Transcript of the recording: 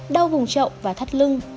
đau vùng trọng và thắt lưng